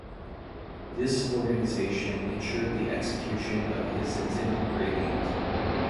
This organization ensured the execution of his intended gradient.